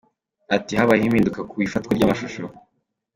Ati “Habayeho impinduka ku ifatwa ry’amashusho.